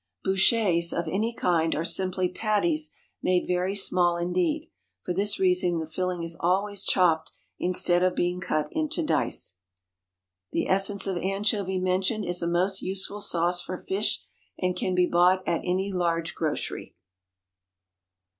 Bouchées of any kind are simply patties made very small indeed for this reason the filling is always chopped instead of being cut into dice. The essence of anchovy mentioned is a most useful sauce for fish, and can be bought at any large grocery.